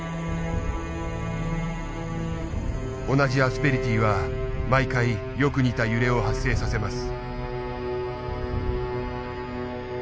同じアスペリティーは毎回よく似た揺れを発生させます。